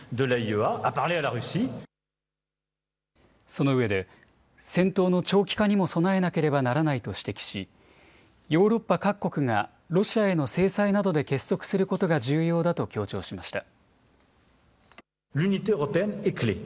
そのうえで戦闘の長期化にも備えなければならないと指摘しヨーロッパ各国がロシアへの制裁などで結束することが重要だと強調しました。